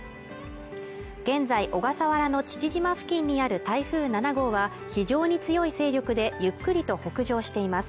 現在小笠原の父島付近にある台風７号は非常に強い勢力でゆっくりと北上しています